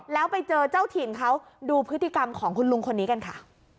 แล้วไปเจอเจ้าถิ่นเขาดูพฤติกรรมของคุณลุงคนนี้กันค่ะ